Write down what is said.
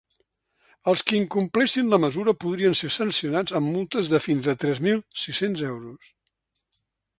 Els qui incompleixin la mesura podrien ser sancionats amb multes fins a tres mil sis-cents euros.